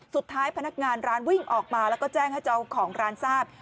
พนักงานร้านวิ่งออกมาแล้วก็แจ้งให้เจ้าของร้านทราบ